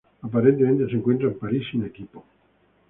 Actualmente se encuentra en París sin equipo.